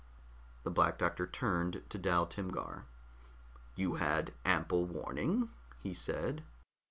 The Black Doctor turned to Dal Timgar. "You had ample warning," he said.